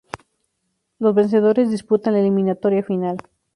Los vencedores disputan la eliminatoria final.